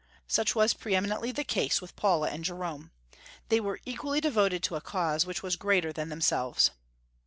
Such was pre eminently the case with Paula and Jerome. They were equally devoted to a cause which was greater than themselves.